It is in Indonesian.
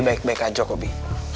baik baik aja kok bi